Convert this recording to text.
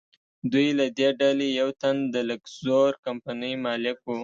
دوی له دې ډلې یو تن د لکزور کمپنۍ مالک و.